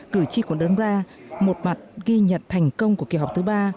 cử tri quận đống đa một mặt ghi nhận thành công của kỳ họp thứ ba